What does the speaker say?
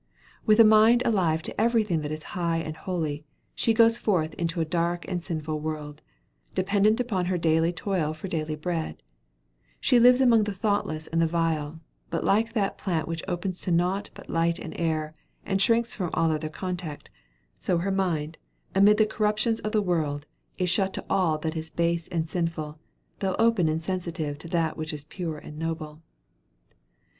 With a mind alive to everything that is high and holy, she goes forth into a dark and sinful world, dependent upon her daily toil for daily bread; she lives among the thoughtless and the vile; but like that plant which opens to nought but light and air, and shrinks from all other contact so her mind, amid the corruptions of the world, is shut to all that is base and sinful, though open and sensitive to that which is pure and noble.